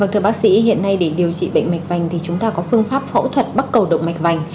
thưa bác sĩ hiện nay để điều trị bệnh mạch vành thì chúng ta có phương pháp phẫu thuật bắt cầu động mạch vành